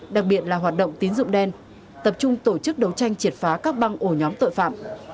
đặc biệt là hoạt động tín dụng đen tập trung tổ chức đấu tranh triệt phá các băng ổ nhóm tội phạm